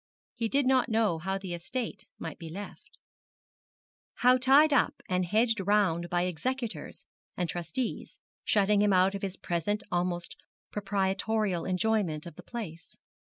He did not know how the estate might be left how tied up and hedged round by executors and trustees, shutting him out of his present almost proprietorial enjoyment of the place.